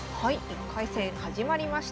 １回戦始まりました。